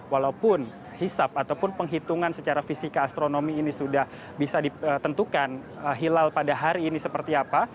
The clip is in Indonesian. walaupun hisap ataupun penghitungan secara fisika astronomi ini sudah bisa ditentukan hilal pada hari ini seperti apa